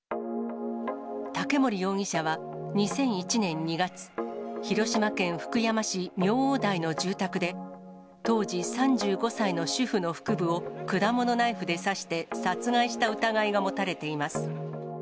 竹森容疑者は２００１年２月、広島県福山市明王台の住宅で、当時３５歳の主婦の腹部を果物ナイフで刺して、殺害した疑いが持たれています。